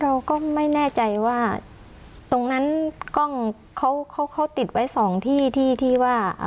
เราก็ไม่แน่ใจว่าตรงนั้นกล้องเขาเขาติดไว้สองที่ที่ว่า